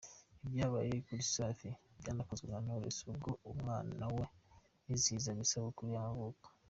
Ibyabaye kuri Safi byanakozwe na Knowless ubwo umwana we yizihiza isabukuru y’amavuko.